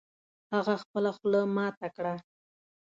هغه خپله خوله ماته کړه